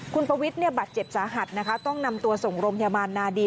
คุณปวิทย์บาดเจ็บสาหัสนะคะต้องนำตัวส่งโรงพยาบาลนาดี